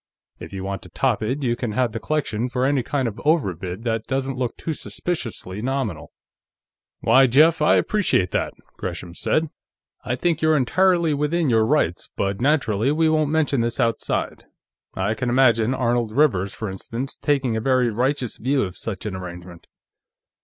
If you want to top it, you can have the collection for any kind of an overbid that doesn't look too suspiciously nominal." "Why, Jeff, I appreciate that," Gresham said. "I think you're entirely within your rights, but naturally, we won't mention this outside. I can imagine Arnold Rivers, for instance, taking a very righteous view of such an arrangement."